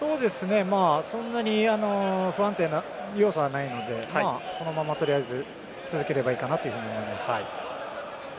そんなに不安定な要素はないのでこのままとりあえず続ければいいかなと思います。